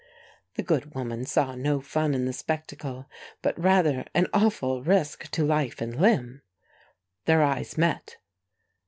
The good woman saw no fun in the spectacle, but rather an awful risk to life and limb. Their eyes met.